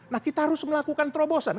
nah kita harus melakukan terobosan